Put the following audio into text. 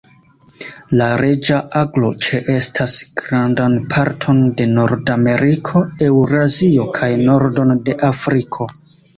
La Reĝa aglo ĉeestas grandan parton de Nordameriko, Eŭrazio kaj nordon de Afriko.